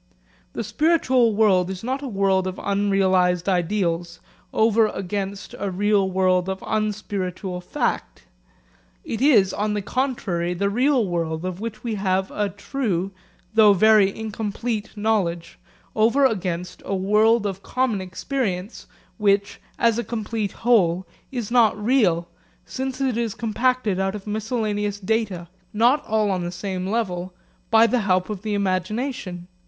The spiritual world is not a world of unrealised ideals, over against a real world of unspiritual fact. It is, on the contrary, the real world, of which we have a true though very incomplete knowledge, over against a world of common experience which, as a complete whole, is not real, since it is compacted out of miscellaneous data, not all on the same level, by the help of the imagination.